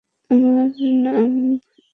আমার নাম ইরিন।